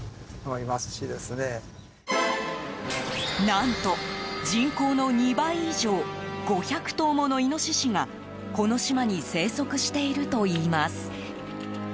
何と、人口の２倍以上５００頭ものイノシシがこの島に生息しているといいます。